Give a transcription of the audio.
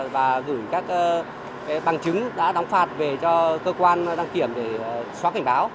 và gửi các bằng chứng đã đóng phạt về cho cơ quan đăng kiểm để xóa cảnh báo